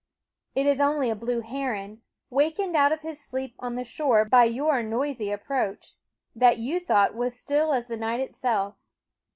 It is only a blue heron, wakened out of his sleep on the shore by your noisy approach, that you thought was still as the night itself.